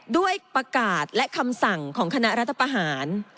ด้วยประกาศและคำสั่งของคณะรัฐประหาร